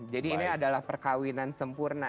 jadi ini adalah perkawinan sempurna